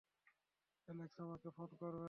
Alex আমাকে phone করবে।